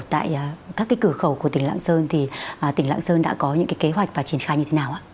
tại các cửa khẩu của tỉnh lạng sơn thì tỉnh lạng sơn đã có những kế hoạch và triển khai như thế nào